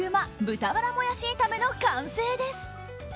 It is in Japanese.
豚バラもやし炒めの完成です。